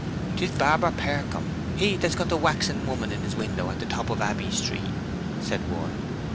"'Tis Barber Percombe—he that's got the waxen woman in his window at the top of Abbey Street," said one.